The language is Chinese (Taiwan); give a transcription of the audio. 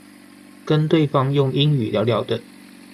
跟對方用英語聊聊的